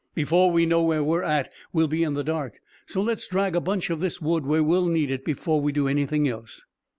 "Before we know where we're at, we'll be in the dark; so let's drag a bunch of this wood where we'll need it before we do anything else."